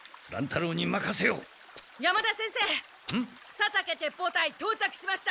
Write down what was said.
佐武鉄砲隊とう着しました！